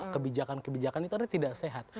kebijakan kebijakan itu adalah tidak sehat